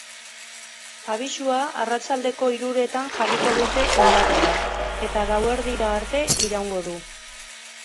Abisua arratsaldeko hiruretan jarriko dute indarrean, eta gauerdira arte iraungo du.